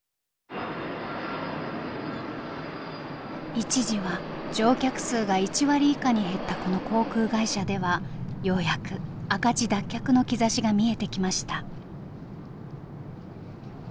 一時は乗客数が１割以下に減ったこの航空会社ではようやく赤字脱却の兆しが見えてきました。